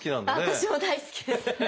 私も大好きです。